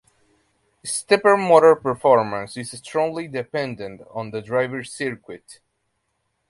Stepper motor performance is strongly dependent on the driver circuit.